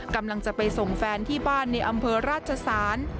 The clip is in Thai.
กำลังจะไปส่งแฟนที่บ้านในอำเภอราชสาร